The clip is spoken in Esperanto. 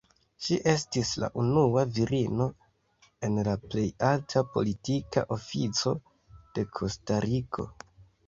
Ŝi estis la unua virino en la plej alta politika ofico de Kostariko.